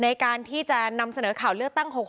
ในการที่จะนำเสนอข่าวเลือกตั้ง๖๖